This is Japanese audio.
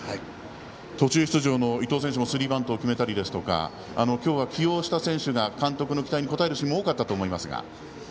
途中出場の選手がスリーバントを決めたりとか今日は起用した選手が監督の期待に応えるシーンも多かったと思いますが。